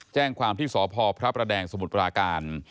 แจ้งความที่สพพระประแดงสมุทรปราการ